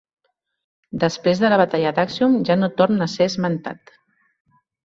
Després de la batalla d'Àccium ja no torn a ser esmentat.